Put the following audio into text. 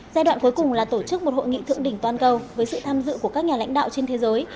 giai đoạn cuối cùng là tổ chức một hội nghị thượng đỉnh toàn cầu với sự tham dự của các nhà lãnh đạo trên thế giới